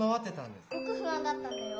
すっごくふあんだったんだよ。